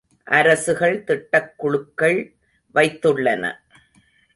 அரசுகள் திட்டக்குழுக்கள் வைத்துள்ளன.